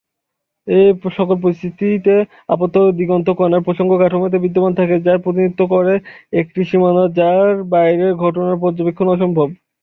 এ সকল পরিস্থিতিতে আপাত দিগন্ত কণার প্রসঙ্গ কাঠামোতে বিদ্যমান থাকে, এবং প্রতিনিধিত্ব করে একটি সীমানার যার বাইরের ঘটনার পর্যবেক্ষন অসম্ভব।